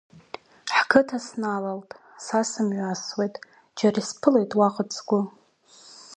Ҳқыҭа сналалт, са сымҩасуеит, џьара исԥылеит уаҟа ацгәы.